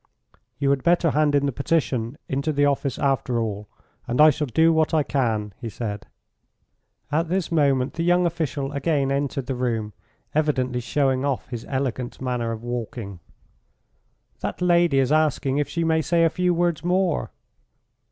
"You had better hand in the petition into the office, after all, and I shall do what I can," he said. At this moment the young official again entered the room, evidently showing off his elegant manner of walking. "That lady is asking if she may say a few words more."